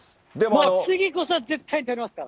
次こそは絶対捕りますから。